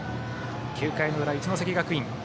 ９回の裏、一関学院。